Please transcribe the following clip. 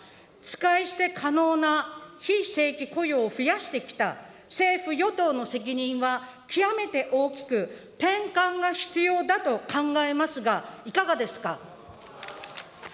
使い捨て可能な非正規雇用を増やしてきた政府・与党の責任は極めて大きく、転換が必要だと考えますが、いかがですか。